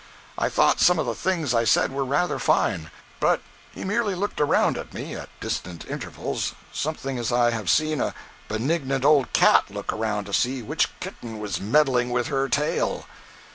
I thought some of the things I said were rather fine. But he merely looked around at me, at distant intervals, something as I have seen a benignant old cat look around to see which kitten was meddling with her tail.